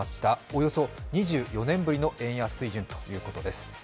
およそ２４年ぶりの円安水準ということです。